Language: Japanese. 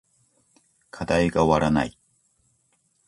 課題が終わらない